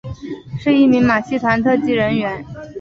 是一名马戏团特技人员。